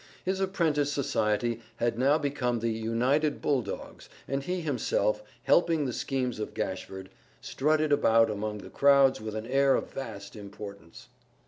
His apprentice society had now become the "United Bulldogs," and he himself, helping the schemes of Gashford, strutted about among the crowds with an air of vast importance.